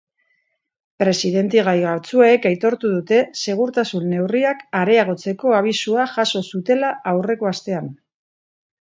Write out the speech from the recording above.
Presidentegai batzuek aitortu dute segurtasun-neurriak areagotzeko abisua jaso zutela aurreko astean.